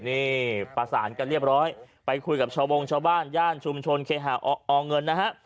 นี่ประสานกันเรียบร้อยไปคุยกับชาววงชาวบ้านย่านชุมชนเคหาอเงินนะฮะ